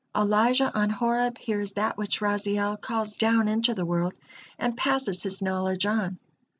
Elijah on Horeb hears that which Raziel calls down into the world, and passes his knowledge on.